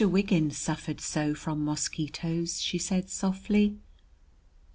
Wiggins suffered so from mosquitoes," she said softly.